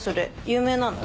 有名なの？